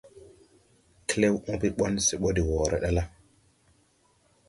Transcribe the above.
Klew oobe ɓɔn se de wɔɔre ɗa la,